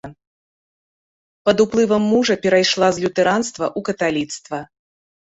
Пад уплывам мужа перайшла з лютэранства ў каталіцтва.